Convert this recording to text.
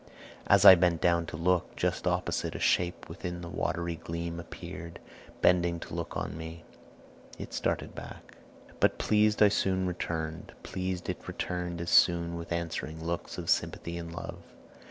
As I bent down to look, just opposite A shape within the watery gleam appeared, Bending to look on me. I started back; It started back; but pleased I soon returned, Pleased it returned as soon with answering looks Of sympathy and love.